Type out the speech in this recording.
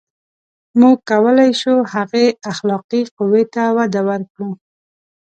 • موږ کولای شو، هغې اخلاقي قوې ته وده ورکړو.